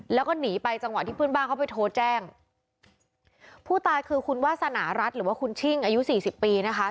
แล้วก็หนีไปจังหวะที่เพื่อนบ้านเขาไปโทรแจ้งผู้ตายคือคุณวาสนารัฐหรือว่าคุณชิ่งอายุสี่สิบปีนะคะ